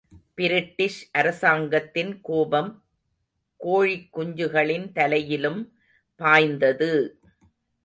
British அரசாங்கத்தின் கோபம் கோழிக் குஞ்சுகளின் தலையிலும் பாய்ந்தது!